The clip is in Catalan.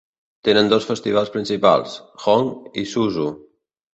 Tenen dos festivals principals: Hong i Susu.